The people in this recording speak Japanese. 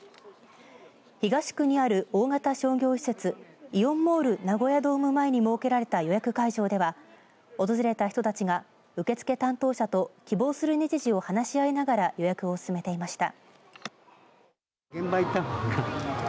東区にある大型商業施設イオンモールナゴヤドーム前に設けられた予約会場では訪れた人たちが受け付け担当者と希望する日時を話し合いながら予約を進めていました。